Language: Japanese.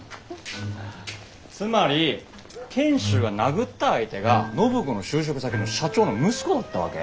つまり賢秀が殴った相手が暢子の就職先の社長の息子だったわけ？